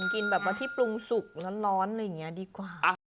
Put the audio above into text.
กินแบบว่าที่ปรุงสุกร้อนอะไรอย่างนี้ดีกว่า